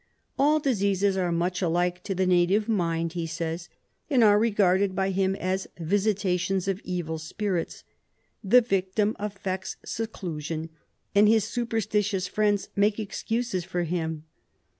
"All diseases are much alike to the native mind," he says, "and are regarded by him as visitations of evil spirits. The victim affects seclusion and his superstitious friends make excuses for him.